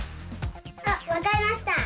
あわかりました！